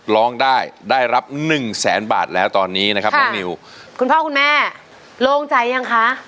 ร้องได้ได้รับหนึ่งแสนบาทแล้วตอนนี้นะครับน้องนิวคุณพ่อคุณแม่โล่งใจยังคะ